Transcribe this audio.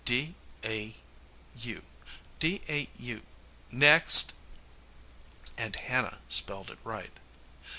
"D a u, dau " "Next." And Hannah spelled it right.